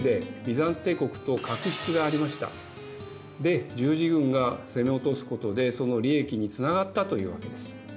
で十字軍が攻め落とすことでその利益につながったというわけです。